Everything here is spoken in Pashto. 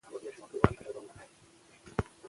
ټکنالوژي د سوداګرۍ وخت او لګښت کموي.